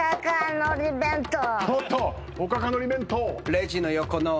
おっと⁉おかか海苔弁当。